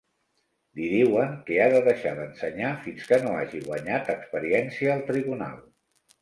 Li diuen que ha de deixar d'ensenyar fins que no hagi guanyat experiència al tribunal.